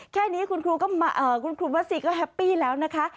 แค่นี้คุณครูวัสซีก็แฮปปี้แล้วนะคะ